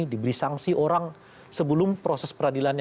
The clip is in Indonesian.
diberi sanksi orang sebelum proses peradilannya